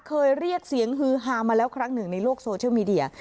เคยเรียกเสียงฮือฮามาแล้วครั้งหนึ่งในโลกโซเชียลมีเดีย